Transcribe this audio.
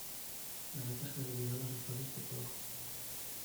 La meta es clasificar los espacios topológicos.